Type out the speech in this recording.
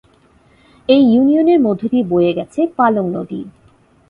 এই ইউনিয়নের মধ্য দিয়ে বয়ে গেছে পালং নদী।